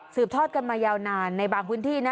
ทอดกันมายาวนานในบางพื้นที่นะ